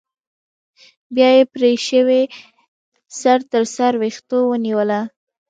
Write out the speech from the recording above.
بيا يې پرې شوى سر تر ويښتو ونيو.